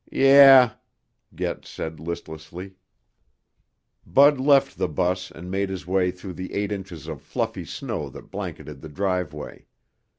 "Yeah," Get said listlessly. Bud left the bus and made his way through the eight inches of fluffy snow that blanketed the driveway.